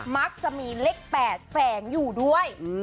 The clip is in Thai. มักจะมีเลข๘แฝงอยู่ด้วย